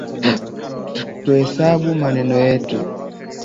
Tuhesabu maneno yetu